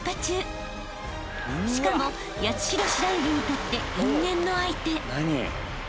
［しかも八代白百合にとって因縁の相手］